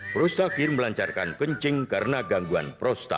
prostakir melancarkan kencing karena gangguan prostat